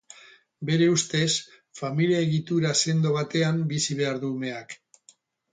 Bere ustez, familia-egitura sendo batean bizi behar du umeak.